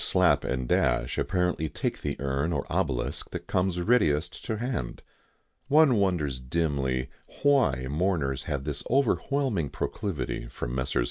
Slap & Dash apparently take the urn or obelisk that comes readiest to hand. One wonders dimly why mourners have this overwhelming proclivity for Messrs.